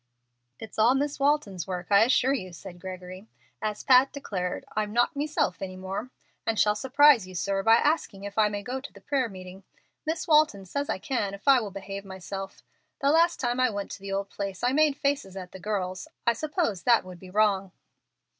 "It's all Miss Walton's work, I assure you," said Gregory. "As Pat declared, 'I'm not meself any more,' and shall surprise you, sir, by asking if I may go to the prayer meeting. Miss Walton says I can if I will behave myself. The last time I went to the old place I made faces at the girls. I suppose that would be wrong."